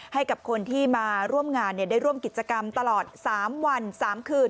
ให้กับคนที่มาร่วมงานได้ร่วมกิจกรรมตลอด๓วัน๓คืน